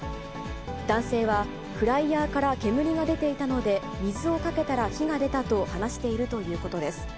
男性はフライヤーから煙が出ていたので、水をかけたら火が出たと話しているということです。